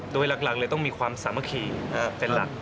โดยหลักเลยต้องมีความสามัคคีเป็นหลัก